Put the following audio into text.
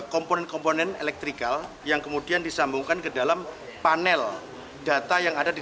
komponen komponen elektrikal yang kemudian disambungkan ke dalam panel data yang ada di